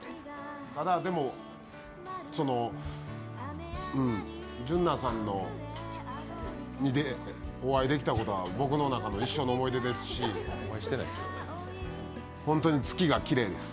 ただ、でも、その、うん、純菜さんにお会いできたことは僕の中の一生の思い出ですし本当に月がきれいです。